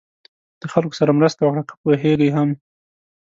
د خلکو سره مرسته وکړه که پوهېږئ هم.